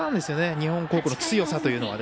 日本航空の強さというのは。